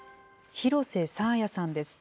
廣瀬爽彩さんです。